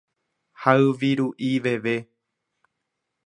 hayviru'i veve